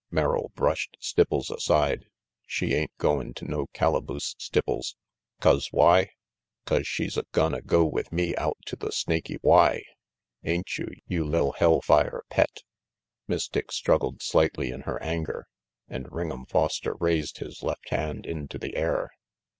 Merrill brushed Stipples aside. "She ain't goin' to no calaboose, Stipples. 'Cause why? 'Cause she's a gonna go with me out to the Snaky Y. Ain't you, you li'l hell fire pet?" Miss Dick struggled slightly in her anger, and Ring'em Foster raised his left hand into the air.